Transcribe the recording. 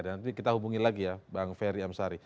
nanti kita hubungi lagi ya